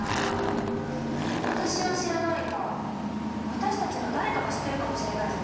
私は知らないが私たちの誰かが知ってるかもしれないぞ。